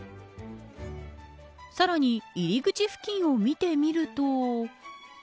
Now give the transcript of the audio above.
さらに入り口付近を見てみると。